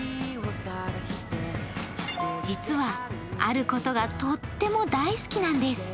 実は、あることがとっても大好きなんです。